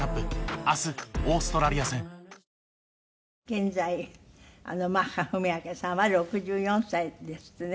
現在マッハ文朱さんは６４歳ですってね。